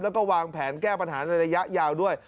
แล้วก็วางแผนแก้ปัญหาในระยะยาวด้วย